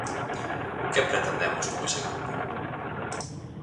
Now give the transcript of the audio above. Que pretendemos con ese grupo?